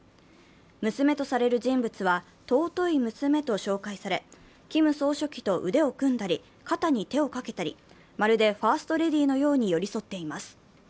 娘とされる人物は尊い娘と紹介され、キム総書記と腕を組んだり、肩に手をかけたり、まるでファーストレディーのように寄り添っています。